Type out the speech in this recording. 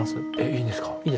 いいんですか？